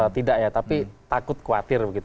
tidak ya tapi takut khawatir